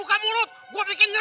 kalau selama ini ada